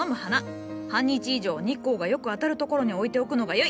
半日以上日光がよく当たる所に置いておくのがよい。